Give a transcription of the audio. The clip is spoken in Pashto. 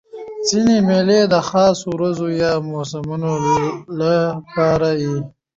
ځیني مېلې د خاصو ورځو یا موسمونو له پاره يي.